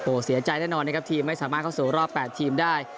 โอ้โหเสียใจแน่นอนนะครับทีมไม่สามารถเข้าสู่รอบ๘ทีมได้